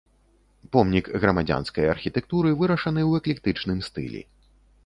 Помнік грамадзянскай архітэктуры, вырашаны ў эклектычным стылі.